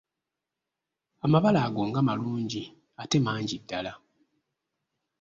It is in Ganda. Amabala ago nga malungi ate mangi ddala!